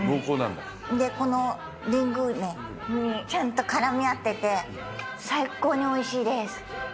このリングイネにちゃんとからみ合ってて、最高においしいです。